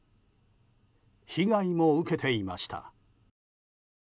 被害も受けていました。